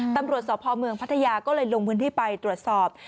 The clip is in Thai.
ตำรวจสพเมืองพัทยาก็เลยลงพื้นที่ไปตรวจสอบ